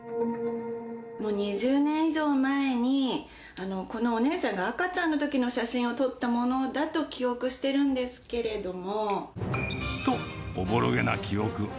２０年以上前に、このお姉ちゃんが赤ちゃんのときの写真を撮ったものだと記憶してと、おぼろげな記憶。